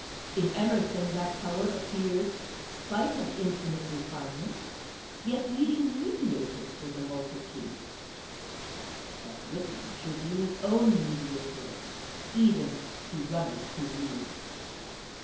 In Emerson that power appears, spite of infinite refinements, yet needing mediators for the multitude. But Whitman should be his own mediator, even to runners who read.